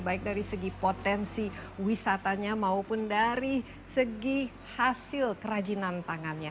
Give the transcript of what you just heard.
baik dari segi potensi wisatanya maupun dari segi hasil kerajinan tangannya